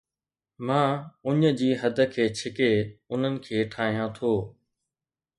مان اُڃ جي حد کي ڇڪي انهن کي ٺاهيان ٿو